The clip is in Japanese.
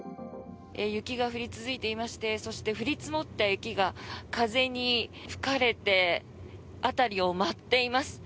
雪が降り続いていましてそして、降り積もった雪が風に吹かれて辺りを舞っています。